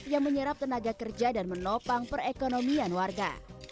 yang menyerap tenaga kerja dan menopang perekonomian warga